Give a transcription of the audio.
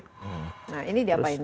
nah ini diapain